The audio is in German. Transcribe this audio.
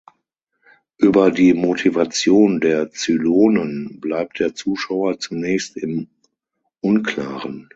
Über die Motivation der Zylonen bleibt der Zuschauer zunächst im Unklaren.